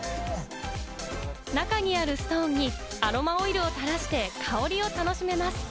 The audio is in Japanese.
中にあるストーンにアロマオイルを垂らして香りを楽しめます。